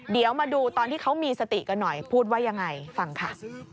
เดี๋ยวมาดูตอนที่เขามีสติกันหน่อยพูดว่ายังไงฟังค่ะ